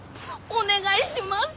お願いします。